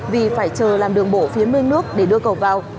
vì phải chờ làm đường bộ phía mương nước để đưa cầu vào